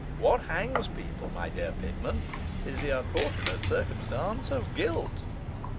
What hangs people, my dear Pitman, is the unfortunate circumstance of guilt.